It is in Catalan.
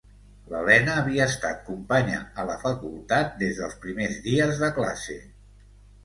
L'Elena havia estat companya a la Facultat des dels primers dies de classe.